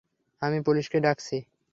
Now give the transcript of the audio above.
আমি পুলিশকে ডাকছি।